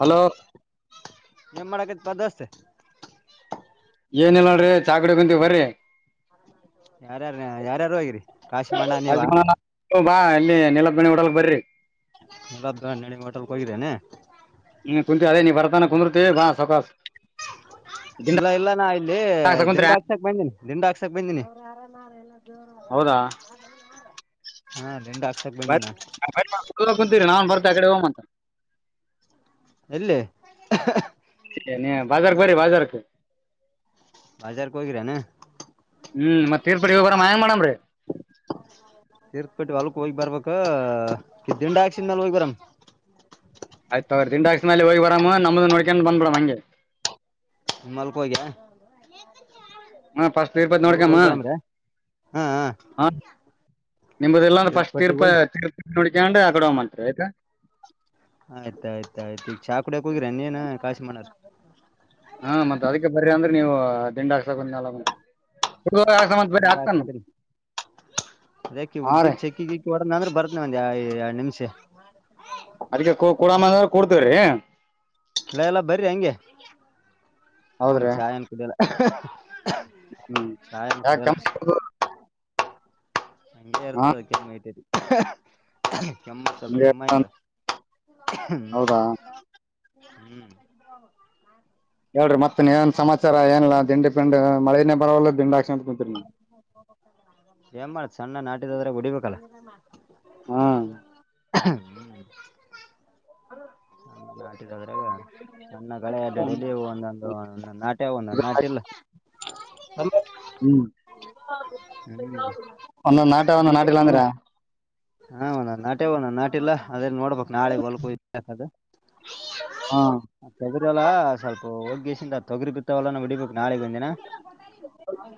Hello ಏನ್ ಮಾಡಾಕ ಸೀರೆ [unintelligible] ಏನ ಇಲ್ಲ ನಡೀ ಚಾಕಡಿ ಕುಂತೀ ಬರ್ರಿ ಯಾರ್ಯಾರ ಯಾರ್ಯಾರು ಹೋಗಿರಿ ಕಾಶಿಮಣ್ಣ ನೀವ ಅ ಬಾ ಎಲ್ಲಿ ನಿಲ [unintelligible] ಓಡಲ್ಕ್ ಬರ್ರರಿ ನಲ್ಲ್ದ ಹಣ್ಣಡಿ ೋಟಲ್ಕ್ ಹೋಗಿದ್ದೇನೆ ಅ ನೀ ಬರ್ತಾನ ಕುಂದರುತ ಭಾ ಸಕಾಸ ಇಲ್ಲ ಇಲ್ಲ ನಾ ಇಲ್ಲಿ ದಿಂಡ ಹಾಕ್ಸಕ್ ಬಂದೀನಿ ದಿಂಡ ಹಾಕ್ಸಕ್ ಬಂದೀನಿ ಹೌದಾ ಹಾ ನಿಂಡ ಬ ಕುಂತೀರಿ ನಾವು ನತ ಕಡೆ ಹ ಮಂತ [unintelligible] ಎಲ್ಲಿ ಬಾಜಾರ್ಕ್ಕೆ ಬರ ಬಾಜಾರ್ಕ್ಕೆ ಬಜಾರ್ ಹೋಗರೆನೆ ಹ್ಮ್ ಮತ್ತ್ ತೀರ್ಪಡಿ ಹಬರ ಮಾಯಂಗ ಮಾಡಮ್ರರಿ ತಿರ್ಕ್ಪಟ್ಟಿ ಅಲ್ಕ್ ಹೋಗಿ ಬರ್ಬಬೇಕ ದಿಂಡ ಹಾಕ್ಸನ್ ಮೇಾಲ ಹೋಗಿ ಬರಾಮ ಆಯ್ತು ತಗೊಳ್ರಿಅವ್ರ ದಿಂಡ್ ಹೋಗಿ ಬರಾಮ ನಮ್ದ ನೋಡ್ಕೊಂಡ ಬಂದ್ ಬಿಡೋಣ ಹಂಗೆ ಮಲ್ಕೋಗ ಹಾ ಫಸ್ಟ್ ತೀರ್ಪತಿ ನೋಡ್ಕಮ್ಮ ಬರಮ್ರೆ ಹಾ ಹಾ ಹ ನಿಮ್ಮಲ್ಲಾಂದ್ರೆ ಫಸ್ಟ್ ತೀರ್ಥಪಟ್ಟಿಗೆ ತೀರ್ಪ ಹೋಗಿ ತೀರ್ಪತಿ ನೋಡ್ಕ್ರೆ ಆಕಡಂತ್ರಿ ಆಯತಾ ಆಯ್ತ ಆಯ್ತ್ತ ಆಯ್ತು ಈ ಚಾ ಕುಡಿಯಕ್ ಹೋಗಿರ ನೀೇನ್ ಕಾಶಿ ಮಾಡೋ ಹ ಹಾ ಮತ್ತ್ ಅದಿಕ್ಕೆ ಬರ ಅಂದ್ರೆ ನೀವು ದಿಂಡ ಹಾಕ್ಸಕಂದ ನಿ ಆತ್ ಅದಾಕ ಹಾ ರೀ ಉದ್ದಿಗ್ ಚೆಕ್ಕಿಿ ಹೊಡ ಅಂದ್ರೆ ಬರ್ತ್ನ ಒಂದ ನಿಮ್ ತ್ತ ಕೊಡ್ತೇವ್ರೀ. ಇಲ್ಲ ಎಲ್ಲ ಬರ್ರಿ ಹಂಗೆ ಹೌದ್ರಿ ಚಾಯ್ ಅನ್ ಕುಡಲ್ಲ ಹ ಹ್ಮ್ ಯಾ ಭಂಗಗೆೇರತ ಮೈಟರಿ ಹ ಕೆಮ್ಮ ಸ ಕೆಮ್ಮ ಹೌದಾ ಹ್ಮ್ ಹೇಳ್ರಿ ಮತ್ತ ಏನ್ ಸಮಾಚಾರ ಏನಲ್ಲ ದಂಡಿ ಮಳೆನೇ ಪರವಾಗಿಲ್ಲ ದಿಂಡಾಕ್ಷಂತ ಕುಂತರಿ ್ರ ಬಿಡಿಬೇಕಲ್ಲ ಹಾ ಹ್ಮ ಅ ಹಾ ದ್ರಾಗ ನಣ್ಣ ಗಳೆ ಅಡ್ಡಡಲ್ಲಿ ಒಂದೊಂದು ಒ ನಾಟ್ಯ ಒಂದ ನಾಟ ಇಲ್ಲ. ಹ್ಮ್ ಹ್ಮ್ ಒಂದೊಂದ್ ನಾಟ ಒಂದ್ ನಿ ನಾಟಿಲ್ಲ ಅಂದ್ರ ಹಣ ನಾಟೆ ಹಣ ನಾಟ ಟಲ ಅದೇ ನೋಡ್ಬೇಕಕ್ ನಾಳೆ ಹ ಹೊಲ್ಕದು ಹಾ ತಗರಿ ಅಲ್ಲ ಸ್ವಲ್ಪ ಒ ಿಂದ ತೊಗರಿ ಬಿತ್ತವಲ್ಲ ನ ಬಿಡಿಬೇಕು ನಾಳೆಗೆ ಒಂದಿನ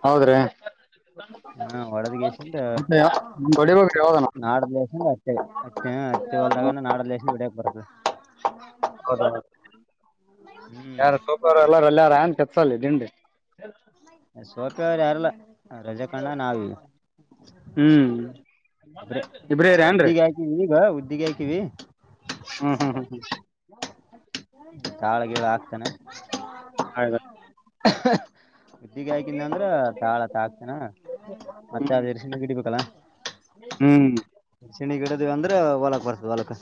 ಹೌದ್ರೀ, ಹಾ ಒಡದ್ಗಸಂದ ಹೊಡಿಬೇಕ್ರಿ ಯಾವ್ದನ ನಾಡೇಶಂದ ಅಟ್ಟೆ ಅಟ್ಟೆ ಅತ್ತೆ ಹೊಲ್ದಾಗ ನಾಡಸ ಬಿಡ ಬ ಹೌದ, ಹ್ಮ್ ಯಾರು ಸೂಪರ್ ಎಲ್ಲಾರ ಎಲ್ಲಾರು ಅನ್ ಸಲ ದಿಂಡೆ [unintelligible] ಸರ್ ಯಾರಿಲ್ಲ ರಜಾಕಣ ನಾವಿಲ್ಲ ಹ್ಮ್ ಸರಿ ಇಬ್ರೇ ಇರಿ ಏನ್ರಿ ಈಗ ಅಕಿಗೆ ಈಗ ಗೇಳ್ತೀವಿ ಹ್ಮ್ ಹ್ಮ್ ಹ್ಮ್ ಹ್ಮ್ ತಾಳ ಗಿಳ ಆಗ್ತಾನೆ ಹೌದಾ ಹ [unintelligible] ಈಗೆ ಹಾಕಿದೆ ಅಂದ್ರ ತಾಳತ್ತ ಹಾಕ್ತೇನಾ ಮತ್ತೆ ಹ್ಮ್ ಅದ ಎರ್ಸಿಂಡಿ ಗಿಡಿಬೇಕಲ್ಲ ಹ್ಮ್ ಸಿಣಿ ಗಿಡದ ಅಂದ್ರೆ ಹೊಲಕ್ ಬರ್ತದೆ ಹೊಲಕ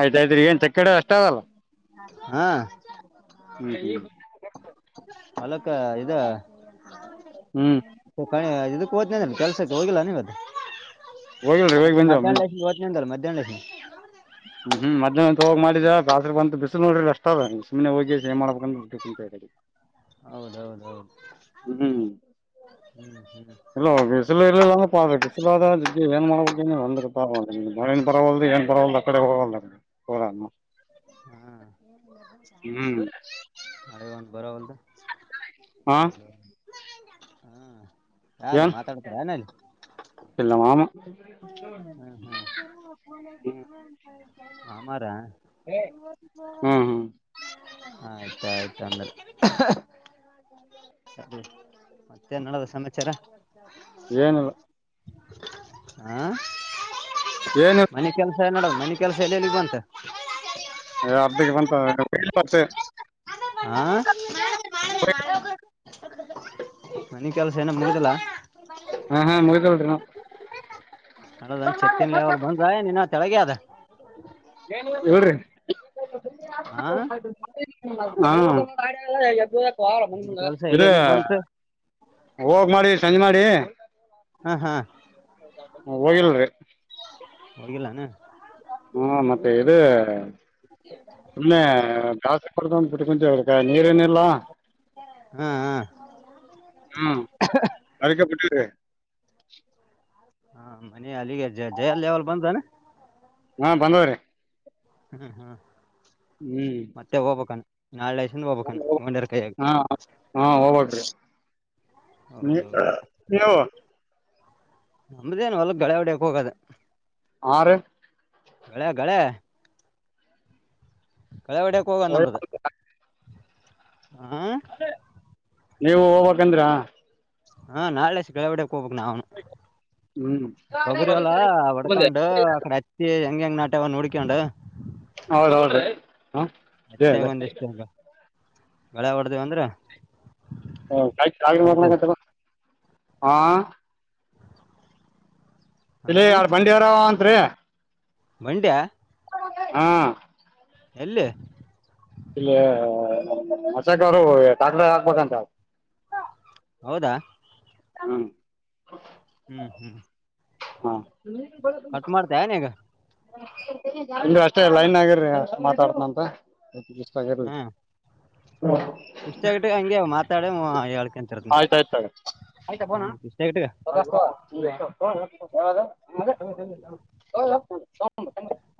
ಆಯ್ತಾಯ್ತ್್ರಿ ಏನ್ ತಕ್ಕಡ ಅಷ್ಟದಲ್ಲ ಹಾ [unintelligible] ಹೊಲಕ್ಕ ಇದು [unintelligible] ಹ್ಮ್ ಕ ಇದಕ್ಕೆ ಹೋತೇನ ಅಂದೆಲ್ಲ ಕೆಲ್ಸಕ್ಕೆ ಹೋಗಿಲ್ಲ ಏನ್ ಇವತ್ ಹೋಗಿಲ್ರಿ ಹೋಗಿ ಮತ್ತೆ ಬಂದೇವ್ ಮುಂಜಾನೆ ಮಧ್ಯಾಹ್ನ ಮೇಲೆ ಹೋಗ್ತೇನಿ ಅಂದೆಲ್ಲ [unintelligible] ಎಲ್ಲಿದ [unintelligible] ಹ್ಮ್ ಹ್ಮ್ ಮದ್ನ ಒ ಹೋಗ್ ಮಾಡಿದ ರಾತ್ರಿ ಬಂದೆ ಬಿಸಲ ನೋಡ್ರಿ ಎಷ್ಟದ ಸುಮ್ಮನೆ ಹೋಗಿ ಕಸಿ ಏನ್ ಮಾಡ್ಬೇಕಂದ ಬಿಟ್ಟ ಕುಂತ ಹೌದೌದೌದು ಹ್ಮ್ ಹ್ಮ್ ಹ್ಮ್ ಎಲ್ಲ ಹೋಗಿ ಬಿಸಲ ಎಲ್ಲಾ [unintelligible] ್ರಬಿಸಿಲಾದ ಏನ್ ಮಾಡಬೇಕೆನ್ ಒಂದ್ ಗೊತ್ತಾಗವತ್ ಮಳಿನು ಬರ್ವಾಲ್ತ್ ಏನು ಬರ್ವಾಲ್ತ್ ಪೂರಾ ಹಾ ಹ್ಮ್ಮ್ ಮಳೆ ಒಂದ್ ಬರವಲ್ದು ಹಾ ಹೌದೌದು ಹಾ ಯಾರು ಏನ್ ಮಾತಾಡ್ತಾರೆನ್ ಇಲ್ಲಿ ಹ [unintelligible] ಬುಂತ [unintelligible] ಆಮಾರಾ ಹ್ಮ್ ಹ್ಮ್ ಆಯ್ತ ಆಯ್ತು ಅಂದ್ರ ಸರಿ ಮತ್ತೇನ್ಡದಾದ ಸಮಾಚಾರ ಏನಿಲ್ಲ ಸ [unintelligible] ಹ [unintelligible] ಏನ ಮನೆ ಕೆಲಸ ನಡುವ ಮನ ಕೆಲಸ ಎಲ್ಲ ಎಲ್ಲಿಗ್ ಬಂತ [unintelligible] [inaudible] ಅರ್ಧಕ್ಕೆ ಬಂತ ಯಾಕ್ [inaudible] ಹ ವ [inaudible] [inaudible] ಮನೆ ಕೆಲ್ಸ ಇನ್ನ ಮುಗ್ದಿಲ್ಲ ಹಾ ಹಾ ಮುಗಿತು ಹಲ [unintelligible] ನಣದಂಗ್ ಚತ್ತನ್ ೇವಲ್ ಬಂದ ನೀ ಕೆಳಗೆ ಅದ ಹೇಳ್ರೀ [inaudible] ಹಾ ಹಾ ಹ ಬು ಮನಿ ಕೆಲ್ಸ ಇ ಎಲ್ಲೆಲ್ಲಿಗ್ ಬಂತ ಹೋಗ್ ಮಾಡಿ ಸಂಜೆ ಮಾಡಿ, ಹ್ಮ ಹ್ಮ್ ಹಾ ಹೋಗಿಲ್ರಿ, ಹಗಲ್ಲಾನ ಹಾ ಮತ್ತೆ ಇದು, ಇಲ್ಲ ದಾಸಪಡದ ಬಿಟ್ಟ ಕೊಂಚ ಅವಾಯ ನೀರೇನಿಲ್ಲ. ಹಾ ಹಾ ಹ್ಮ್ ಅಕ್ಕೆ ಬಟ್ಟ [inaudible] ಹಾ ಮನ ಅಲ್ಲಿಗೆ ಜ ಜಯಲ್ೇವಲ್ ಬಂದಾನ ಹಾ ಬಂದವ್ರೀ, ಹ್ಮ್ ಹ್ಮ್ ಮತ್ತೆ ಹೋಗ್ಬೇಕಾನ. ನಾಳೆಐಸನ್ ಹೋಗ್ಕಣು ಹಂಡರ್ ಕೈಯಗ ಹಾ ಹಾ ಹೋಗ್ಬೇಕ್ರಿ ನೀ ಹೌದೌದು ನೀವು ನಮದೇನು ಒಲ್ಲ ಳೆ ಹೊಡಿಯಕ್ ಹೋಗದ ಆರು ಗಳೆ ಗಳೆ ಕಳವಡಕ್ಕೆ ಹೋಗ ನಮ್ಮದ, ಆಾ ನೀವು ಹೋಗ್ಕ್ಂದ್ರ, ಹಾ ನಾಳೆ ಸಿಳಾವಡೆ ಕಪಕ್ಕೆ ನವುನು ಹ್ಮ್ ಕೊಗರಿಲ್ಲ ಒಡಕೊಂಡು ಅಕಡೆ ಹಚ್ಚಿ, ಹಂಗಗೆಂಗ ನ ಆಟೆ ಒ ನೋಡಿಕೊಂಡೆ, ಹೌದ ಹೌದ್ರೀ, ಅಚ್ಚಾಗ ಒಂದಿಷ್ಟು ಹಂಗ ಬೆಳೆ ಹೊಡ್ದೇವ ಅಂದ್ರೆ. ಹ ಕಾಯ ಆ ಹಾ ಇಲ್ಲಿ ಎ ಬಂಡಿಯವರುಂತ ತ್ರ ಮಂಡ್ಯ ಹಾ ಎಲ್ಲಿ ಇಲ್ಲಿ ಮಚಕ ಅವರುಟಾಕ್ಲೆ ಹಾಕ್ಬೇಕಂತ ಹೌದಾ ಹ್ಮ್ ಹ್ಮ್ ಹ್ಮ್ ಹಾ ನೀ ಬ ಕಟ್ ಮಾಡ್ತಾ ಏನಾಗ ಇ ಅಷ್ಟೇ ಲೈನ್ ಆಗೇರಿ ಅಷ್ಟ ಮಾತಾಡ್ತನಂತ ಸಗಲ್ಲ ಹಾ ಇಷ್ಟ ಆಗಟ್ಟೆ ಹಂಗೆ ಮಾತಾಡ ಹಳ್ ಆಯ್ತಾಯಯ್ತ ಆತ ಆಯ್ತಾ ಬೋಣ ಇಷ್ಟ ಇಟ್ಟ ಹ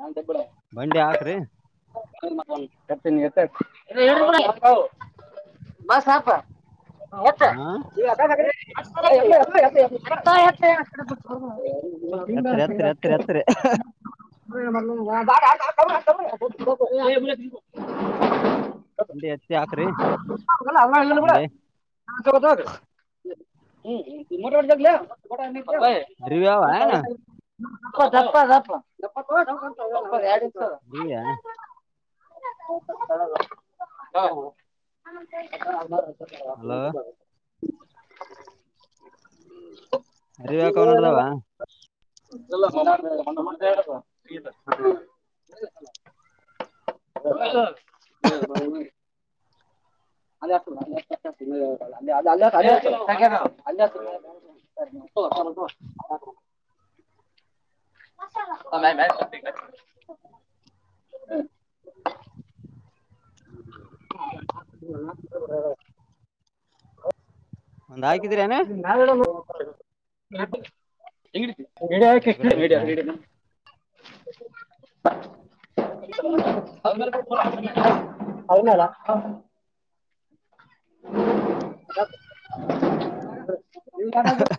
ನಡ ಬಂಡಿ ಹಾಕ್ರಿ ತೀನ ಹಾ ಮಾಪ ಎತ್ತರ ಎತ್ತರ ಎತ್ತರ ಎತ್ತರ ಹ್ಮ್ಮ್. ಮ ಬ ಲ್ಲ ಅ ಇ ಹಿಂಡಿ ಹತ್ತಿ ಹಾಕ್ರಿ ಕೂಡ ಹಾ ಹಂಗೆ ಚಲ್ರೀ ಹ್ಮ್ ಒರ್ ಜಾಗಗ್ಲಾ ಅರಿವಿ ಅವ ಕ ಏನ ತಪ್ಪ ತಪ್ಪ ತಪ್ಪ ದಿವ್ಯಾ ಹ ಹಲೋ ತು ಹ್ಮ ಅರಿವಕ ಅವ ನೋಡ್ದಾವ ಹ್ಮ್ಮ್. ಹ ಅಭಾವ ಅ ಹ್ಮ ಒಂದ್ ಹಾಕಿದೀರ ನೆ ಹೆಂಗಿಡೀತಿ ಆಗಡಕತ್ತಿರ ವೀಡಿಯೋೀಡಿಯೀಡಿಯ [inaudible] ಹೌ [unintelligible] ಹೌನಡ [unintelligible] [unintelligible] ಇ ರ [inaudible]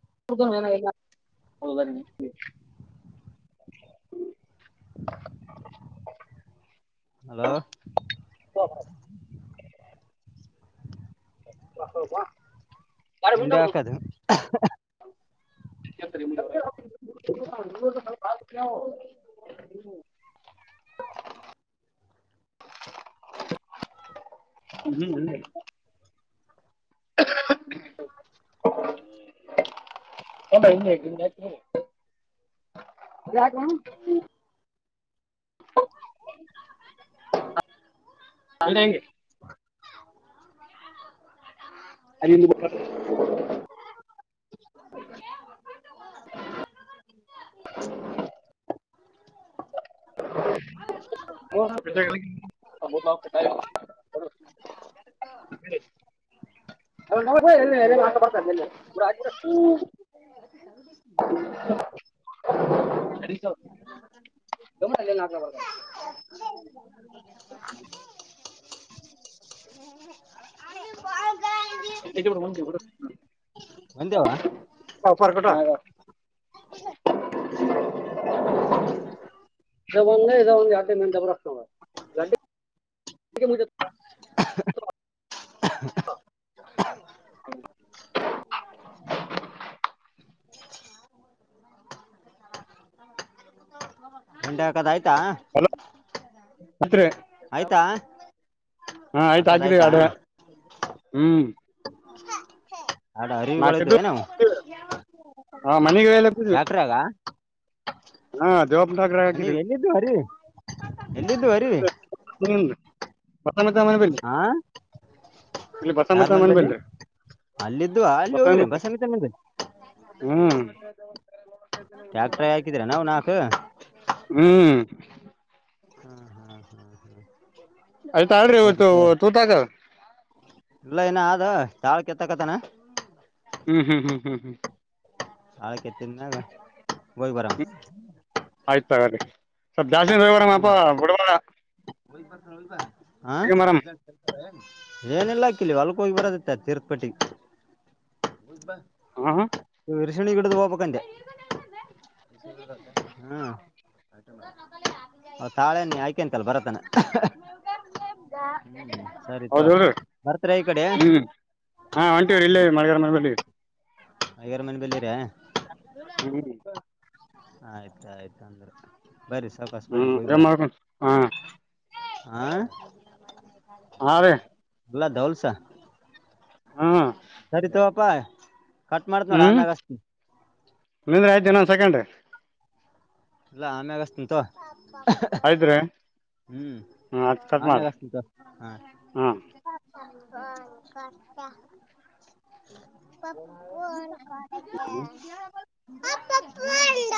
[unintelligible] ಹಲೋ ಹ [unintelligible] [unintelligible] ಹಂಡೆ ಹಾಕದು [unintelligible] ಹ್ಮ ಹ [inaudible] [inaudible] ಗೆ [unintelligible] [unintelligible] [unintelligible] [unintelligible] [unintelligible] ಹಬತ [unintelligible] [inaudible] [inaudible] [unintelligible] ಹ [inaudible] [unintelligible] [unintelligible] [unintelligible] ಒಂತೇವಾ [unintelligible] [unintelligible] ಹ ಮಂಟೆ ಕದ್ತ್ [unintelligible] [unintelligible] ಹ್ಮ [inaudible] ಹತ್ರಿ ಹಾ ಆಯ್ತು ಹಾಕದ್ ಹಾಕಿದ ಆಯ್ತಾ ಆಡು ಹ್ಮ್ ಎರಡು ನಾಕ ಅರಿವಿಗಳಿದ್ವು ಏನವು ಹ ಮನೆಗೆ ಎಲ್ಲ ಪೂಜವಿ ಹಾ ನನಗೆ ಹಾಕಿದ್ವಿ ಎಲ್ಲಿದ್ದು ಅರಿ ದ್ದ ಅರಿ ಹ. ಹಾ ಇಲ್ಲಿ ಬಸಮತ ಯಾರ್ ಮನೆ ಮನ್ಬಲ್ಲಿಿ ಬಲ್ರಿ ಅಲ್ಲಿದ್ದುವ ಅಲ್ಲಿ ಹೋಗಿರ ಬಸಮತ ಮ. ಹ್ಮ್. ಟ್ಯಾಕ್ಟ್ರಾಗ ಹಾಕಿದ್ರೆ ನಾವು ನಾಲ್ಕು ಹ್ಮ್. ಆಯ್ತಾ್ರಿ ಸರಿ ಇವತ್ತು ತಗೋ ತೂತಾಗ. ಇಲ್ಲ ಏನ ಆದ ತಾಳ್ ಕೆತ್ತಕತನಾ. ಹ್ಮ್ ಹ್ಮ್ ಹ್ಮ್ ಹ್ಮ್ ಹ್ಮ್. ಆಯ್ತ. ಕೆತ್ತಿನಿನ ಬಹ ಬರ. ಸಗೀ. ಹ್ಮ್ ಹತ. ಮಾರಮ್ಮ ಏನಲ್ಲ ಹಾಕಿಲಿ ಹೊಲ್ಕ್ ಹೋಗಿ ಬರದತ್ತ ತೀರ್ಥಪಟ್ಟಿ. ಬೂ್ವಾಾ. ಹಾ ಹ ಬಿರ್ಶಣಿ ಗಿಡ್ದು ಹೋಗಬಕಂಡೆ ಹ್ಮ ತಾಳೆ್ಣ ಆಯ್ಕೆಂತಲ್ಲ ಬರತಾನ ಹೌದ ಬರ್ತೀರಾ ಈ ಕಡೆ ಹ್ಮ್ ಹಾ ಒಂಟಿಯ ಇಲ್ಲ ಮಗ ಿ ಹಐಗಾರ ಮನೆ ಬಲ್ಲಿರ ಹ್ಮ್. ಆಯ್ತ ಆಯ್ತ ಅಂದ್ರೆ. ಬರ್ರಿ ಸಾವ್ಕಾಸ ಹ್ಮ್ ಏ ಮಾಡ್ಕ ಹಾ. ಆಾ. ಹಾ ರೇ. ಅಲ್ಲ ದೌಲ್ಸ. ಹಾ. ಸರಿತವಪ್ಪಾ. ಕಟ್ ಮಾಡ್ತ್ ನೋಡ ಆಮ್ಯಾಗಷ್ಟತಿ. ನಿಂದ್ರೆ ಆಯ್ತು ನಂದನ್ ಸಾಕಂಡೆ. ಇಲ್ಲ ಆಮೆಗಸ್ತ ತ. ಆಯ್ತ್ರಿ ಹ್ಮ್ ಹ್ಮ್ ಆಯ್ತ್ ಕಟ್ ಮಾಡ್ರಿ ಆಮ್ಯಾಗಸ್ತಿತ್ತು ಹಾ. ಹಾಂ ಹತಾ. ಪಪ. ಅಕ್ಕಲ್ಲ.